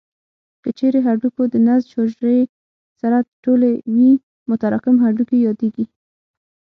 که چیرې هډوکو د نسج حجرې سره ټولې وي متراکم هډوکي یادېږي.